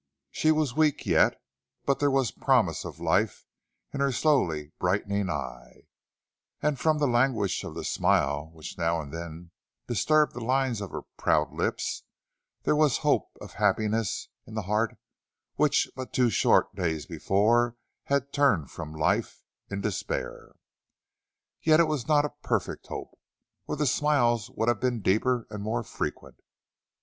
She was weak yet, but there was promise of life in her slowly brightening eye, and from the language of the smile which now and then disturbed the lines of her proud lips, there was hope of happiness in the heart which but two short days before had turned from life in despair. Yet it was not a perfect hope, or the smiles would have been deeper and more frequent.